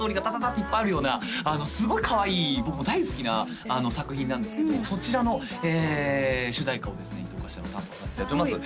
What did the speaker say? ッていっぱいあるようなすごいかわいい僕も大好きな作品なんですけどそちらの主題歌をですね伊東歌詞太郎担当させていただいております